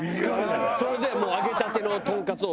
それでもう揚げたてのトンカツを。